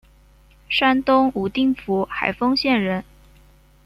山东武定府海丰县人。